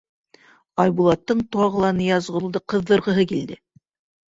Айбулаттың тағы ла Ныязғолдо ҡыҙҙырғыһы килде: